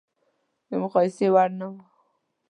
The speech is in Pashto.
د مقایسې وړ نه و.